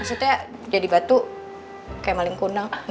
maksudnya jadi batu kayak maling kunang